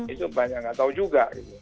itu banyak nggak tahu juga